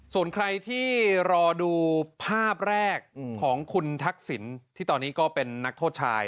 ส่วนใครที่รอดูภาพแรกของคุณทักษิณที่ตอนนี้ก็เป็นนักโทษชาย